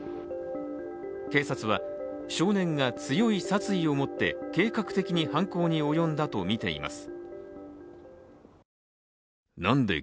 警察は、少年が強い殺意を持って計画的に犯行に及んだとみています。